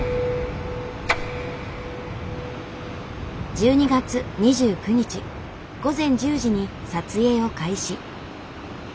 １２月２９日午前１０時に撮影を開始。